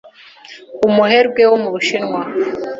umuherwe wo mu Bushinwa.